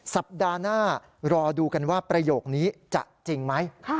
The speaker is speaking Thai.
สัปดาห์หน้ารอดูกันว่าประโยคนี้จะจริงไหม